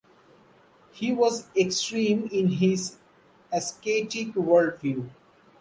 He was extreme in his ascetic worldview.